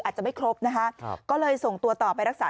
อาจจะไม่ครบนะคะก็เลยส่งตัวต่อไปรักษา